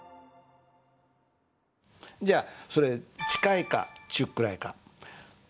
じゃあそれ近いか中くらいか？